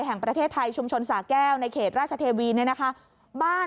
แห่งประเทศไทยชุมชนสาแก้วในเขตราชเทวีเนี่ยนะคะบ้าน